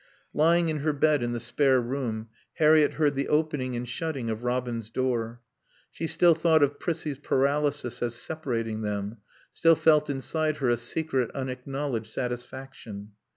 Lying in her bed in the spare room, Harriett heard the opening and shutting of Robin's door. She still thought of Prissie's paralysis as separating them, still felt inside her a secret, unacknowledged satisfaction.